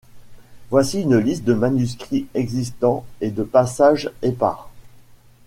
Voici une liste de manuscrits existants et de passages épars.